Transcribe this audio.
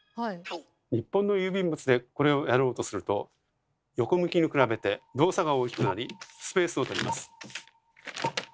日本の郵便物でこれをやろうとすると横向きに比べて動作が大きくなりスペースを取ります。